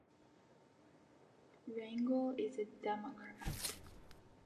Rangel is a Democrat.